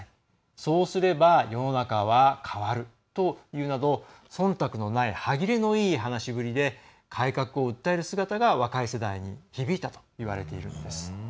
そうすれば、世の中は変わると言うなどそんたくのない歯切れのいい話しぶりで改革を訴える姿が若い世代に響いたといわれているんです。